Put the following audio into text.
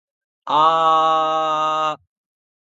あああああああああああ